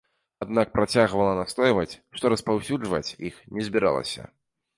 Аднак працягвала настойваць, што распаўсюджваць іх не збіралася.